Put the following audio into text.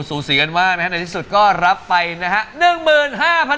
สูสีกันมากนะฮะในที่สุดก็รับไปนะฮะ